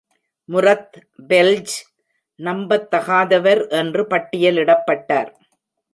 முரத் பெல்ஜ் நம்பத்தகாதவர் என்று பட்டியலிடப்பட்டார்.